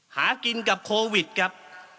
หากินกับโควิดครับ